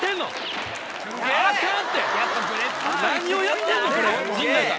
何をやってんのこれ陣内さん！